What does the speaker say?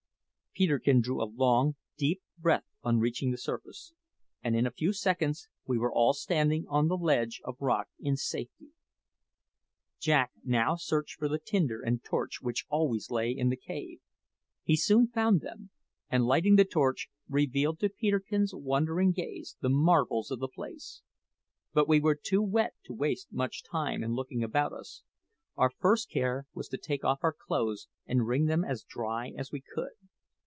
Peterkin drew a long, deep breath on reaching the surface, and in a few seconds we were all standing on the ledge of rock in safety. Jack now searched for the tinder and torch which always lay in the cave. He soon found them, and lighting the torch, revealed to Peterkin's wondering gaze the marvels of the place. But we were too wet to waste much time in looking about us. Our first care was to take off our clothes and wring them as dry as we could.